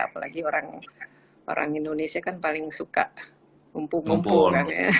apalagi orang indonesia kan paling suka kumpul kumpul